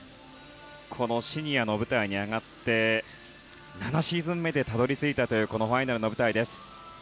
シニアの舞台に上がって７シーズン目でたどり着いたというファイナルの舞台です。